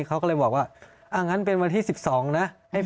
เขาก็เลยบอกว่างั้นเป็นวันที่๑๒นะ